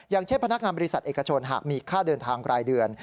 อย่างเช่นพนักงานบริษัทเอกชนหากมีค่าเดินทางรายเดือน